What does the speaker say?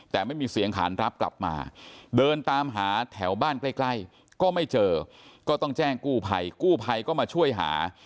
แต่ไม่มีเสียงขานรับกลับมาเดินตามหาแถวบ้านใกล้ก็ไม่เจอก็ต้องแจ้งกู้ภัยกู้ภัยก็มาช่วยหา